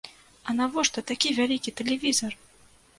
А навошта такі вялікі тэлевізар?!